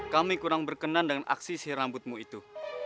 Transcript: kami kurang berkenan dengan aksi si rambutmu itu